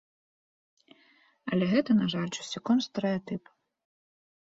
Але гэта, на жаль, часцяком стэрэатып.